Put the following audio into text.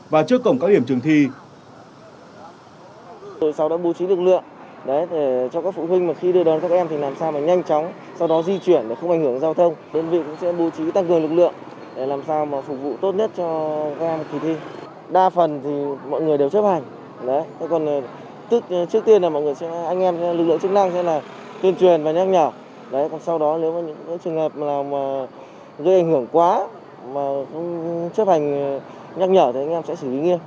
và trước cổng các điểm trường thi